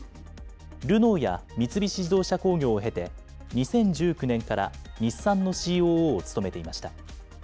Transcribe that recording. ルノーや三菱自動車工業を経て、２０１９年から日産のＣＯＯを務めていました。